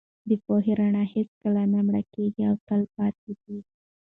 د پوهې رڼا هېڅکله نه مړکېږي او تل پاتې ده.